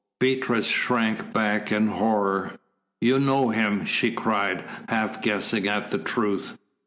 Beatrice shrank back in horror. "You know him!" she cried, half guessing at the truth.